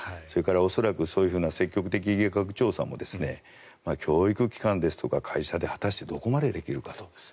それから、恐らくそういう積極的疫学調査も教育機関ですとか会社で果たしてどこまでできるかと。